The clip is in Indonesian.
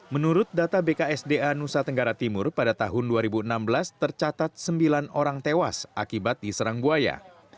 menurut data bksda nusa tenggara timur pada tahun dua ribu enam belas tercatat sembilan orang tewas akibat diserang buaya